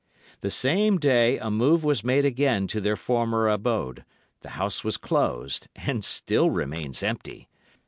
"The same day a move was made again to their former abode, the house was closed, and still remains empty.